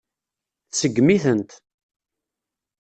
Tseggem-itent.